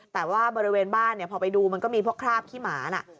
แต่ว่าบริเวณบ้านเนี่ยพอไปดูมันก็มีพวกคราบขี้หมาน่ะ